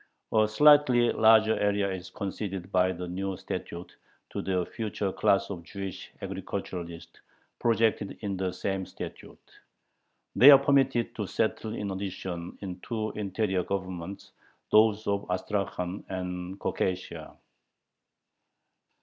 A slightly larger area is conceded by the new statute to the future class of Jewish agriculturists projected in the same statute. They are permitted to settle in addition in two interior Governments, those of Astrakhan and Caucasia.